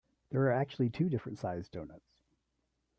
There are actually two different sized doughnuts.